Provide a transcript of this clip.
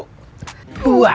ust udah udah